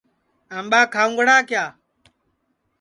آمٻا کھاؤنگڑا کِیا